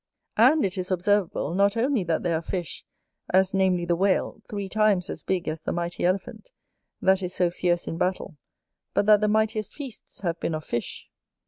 And it is observable, not only that there are fish, as namely the Whale, three times as big as the mighty Elephant, that is so fierce in battle, but that the mightiest feasts have been of fish.